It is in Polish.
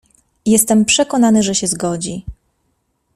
"Jestem przekonany, że się zgodzi."